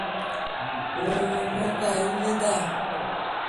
— О-о, могай улыда!